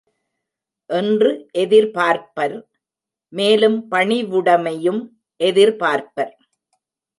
என்று எதிர்பார்ப்பர் மேலும் பணிவுடைமையும் எதிர்பார்ப்பர்.